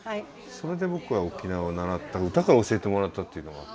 それで僕は沖縄を習った唄から教えてもらったっていう。